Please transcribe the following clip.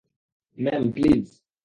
Ma'am, please!